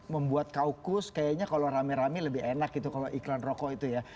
membuat kaukus kayaknya kalau rame rame lebih enak gitu kalau iklan rokok itu ya